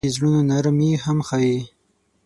دریشي د زړونو نرمي هم ښيي.